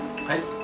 はい。